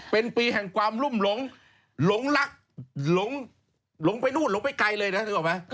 เป็นปีแห่งความรุมหลงหลงรักหลงไปไปหนู้นหลงไปไกลเลยนะถูกหม่อมั้ย